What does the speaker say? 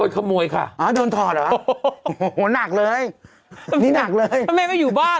เขาทำทางทำอะไรครับ